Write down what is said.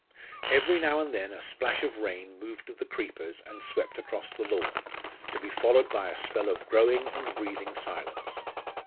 Every now and then a splash of rain moved the creepers and swept across the lawn, to be followed by a spell of growing and breathing silence.